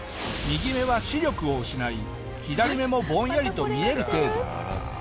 右目は視力を失い左目もぼんやりと見える程度。